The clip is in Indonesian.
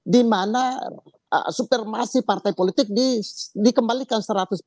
di mana supermasi partai politik dikembalikan seratus